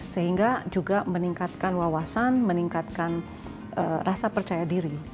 sehingga juga meningkatkan wawasan meningkatkan rasa percaya diri